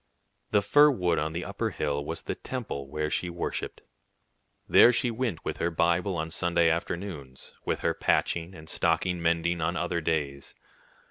The fir wood on the upper hill was the temple where she worshipped. There she went with her Bible on Sunday afternoons, with her patching and stocking mending on other days.